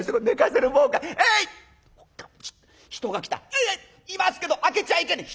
いますけど開けちゃいけねえ。